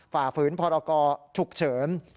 ฝ่าฝืนพรกรฉุกเฉิน